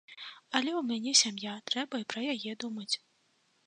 Але ў мяне сям'я, трэба і пра яе думаць.